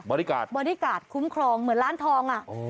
บอดี้การ์ดบอดี้การ์ดคุ้มครองเหมือนร้านทองอ่ะ